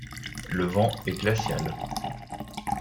Le vent est glacial.